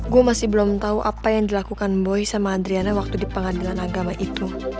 gue masih belum tahu apa yang dilakukan boy sama adriana waktu di pengadilan agama itu